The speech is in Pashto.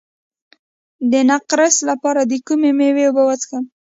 د نقرس لپاره د کومې میوې اوبه وڅښم؟